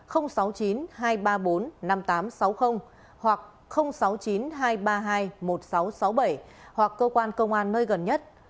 hoặc sáu mươi chín hai trăm ba mươi hai một nghìn sáu trăm sáu mươi bảy hoặc cơ quan công an nơi gần nhất